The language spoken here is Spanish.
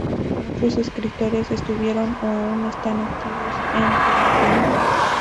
Muchos escritores estuvieron o aún están activos en Leiden.